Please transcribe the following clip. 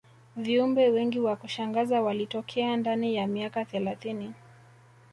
viumbe wengi wa kushangaza walitokea ndani ya miaka thelathini